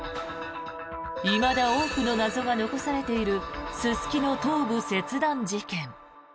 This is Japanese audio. いまだ多くの謎が残されているすすきの頭部切断事件。